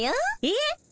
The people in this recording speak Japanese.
えっ！